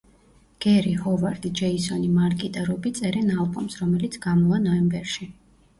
გერი, ჰოვარდი, ჯეისონი, მარკი და რობი წერენ ალბომს, რომელიც გამოვა ნოემბერში.